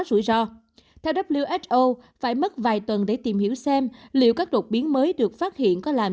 rủi ro theo who phải mất vài tuần để tìm hiểu xem liệu các đột biến mới được phát hiện có làm